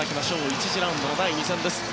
１次ラウンドの第２戦です。